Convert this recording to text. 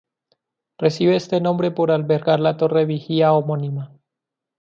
Recibe este nombre por albergar la torre vigía homónima.